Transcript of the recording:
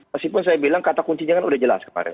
meskipun saya bilang kata kuncinya kan udah jelas kemarin